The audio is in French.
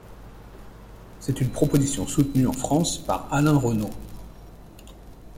C'est une position soutenue, en France, par Alain Renaut.